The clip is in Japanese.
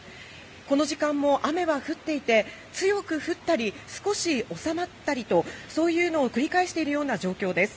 この時間も雨は降っていて強く降ったり、少し収まったりとそういうのを繰り返している状況です。